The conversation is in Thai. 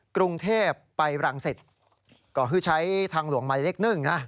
กรุงเทพไปรังสิตก็คือใช้ทางหลวงหมายเลขหนึ่งนะ